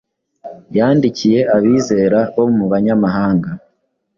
Yandikiye abizera bo mu banyamahanga